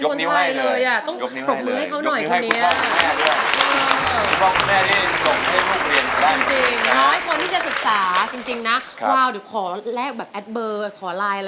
ปลูกหนี้ไว้เลยต้องปรบมือให้เขาหน่อยคนี้น่ะ